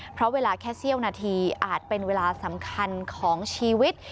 เพราะเวลาแค่เสี้ยวนาทีอาจเป็นเวลาสำคัญของชีวิต